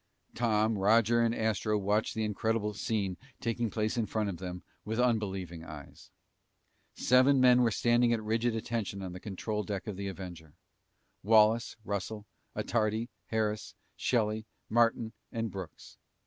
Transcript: Tom, Roger, and Astro watched the incredible scene taking place in front of them with unbelieving eyes. Seven men were standing at rigid attention on the control deck of the Avenger. Wallace, Russell, Attardi, Harris, Shelly, Martin, and Brooks.